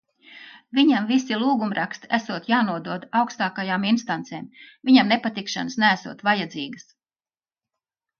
Viņam visi "lūgumraksti" esot jānodod augstākajām instancēm. Viņam nepatikšanas neesot vajadzīgas.